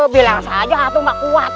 biar saya tuh mah kuat